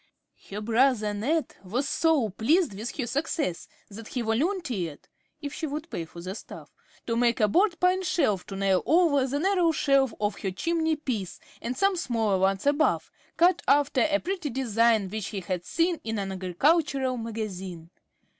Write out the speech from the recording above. Her brother Ned was so pleased with her success, that he volunteered, if she would pay for the "stuff," to make a broad pine shelf to nail over the narrow shelf of her chimney piece, and some smaller ones above, cut after a pretty design which he had seen in an agricultural magazine.